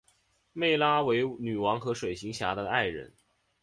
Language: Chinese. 湄拉为女王和水行侠的爱人。